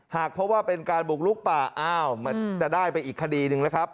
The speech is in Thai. หากพบว่าเป็นการบุกลุกป่าอ้าวมันจะได้ไปอีกคดีหนึ่งนะครับ